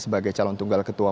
sebagai calon tunggal ketua